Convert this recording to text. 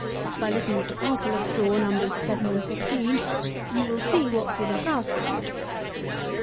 By looking at the parcel of straw Nos. 7 and 15, you will see what sort of grass this is.